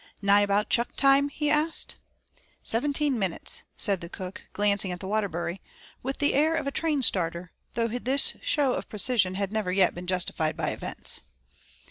"Nigh about chuck time?" he asked. "Seventeen minutes," said the cook glancing at the Waterbury, with the air of a train starter, though this show of precision had never yet been justified by events.